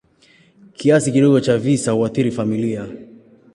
Kiasi kidogo cha visa huathiri familia.